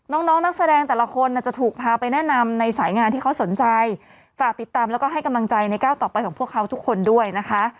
น้องน้องนักแสดงแต่ละคนจะถูกพาไปแนะนำในสายงานที่เขาสนใจฝากติดตามแล้วก็ให้กำลังใจในก้าวต่อไปของพวกเขาทุกคนด้วยนะคะ